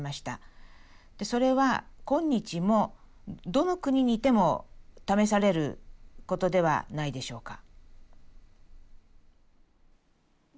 それは今日もどの国にいても試されることではないでしょうか？